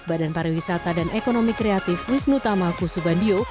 badan pariwisata dan ekonomi kreatif wisnu tamaku subandio